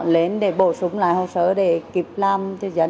lên để bổ sung lại hồ sơ để kịp làm cho dân